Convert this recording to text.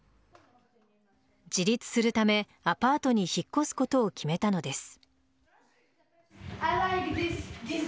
自立するためアパートに引っ越すことを決めたのです。